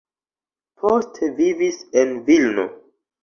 Poste vivis en Vilno.